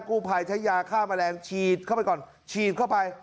กู้ภัยใช้ยาฆ่าแมลงฉีดเข้าไปก่อนฉีดเข้าไป